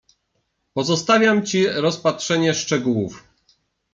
"Pozostawiam ci rozpatrzenie szczegółów."